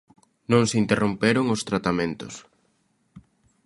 Non se interromperon os tratamentos.